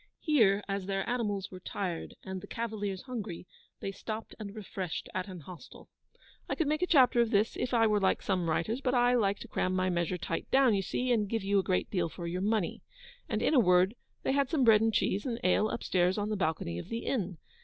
Here, as their animals were tired, and the cavaliers hungry, they stopped and refreshed at an hostel. I could make a chapter of this if I were like some writers, but I like to cram my measure tight down, you see, and give you a great deal for your money, and, in a word, they had some bread and cheese and ale upstairs on the balcony of the inn.